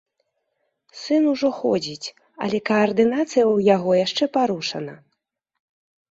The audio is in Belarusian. Сын ужо ходзіць, але каардынацыя ў яго яшчэ парушана.